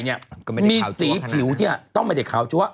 ก็ไม่ได้ขาวจั๋วอย่างงั้นนะพอมีสีผิวต้องไม่ได้ขาวจั๊ว